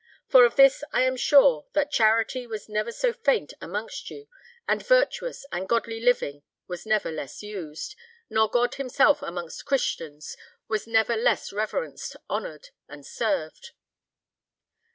For of this I am sure, that charity was never so faint amongst you, and virtuous and godly living was never less used, nor God Himself amongst Christians was never less reverenced, honoured, and served."